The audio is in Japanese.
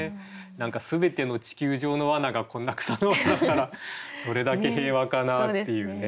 何か全ての地球上の罠がこんな草の罠だったらどれだけ平和かなっていうね。